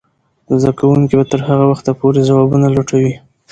زده کوونکې به تر هغه وخته پورې ځوابونه لټوي.